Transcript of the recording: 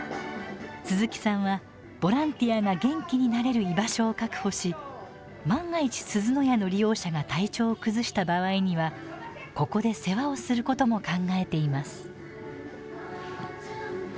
鈴木さんはボランティアが元気になれる居場所を確保し万が一すずの家の利用者が体調を崩した場合にはここで世話をすることも考えています。